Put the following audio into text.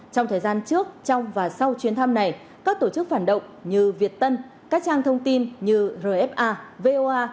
trong thời gian trước trong và sau chuyến thăm này các tổ chức phản động như việt tân các trang thông tin như rfa voa